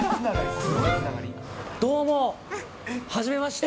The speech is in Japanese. どうも、はじめまして。